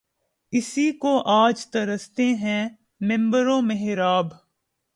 اسی کو آج ترستے ہیں منبر و محراب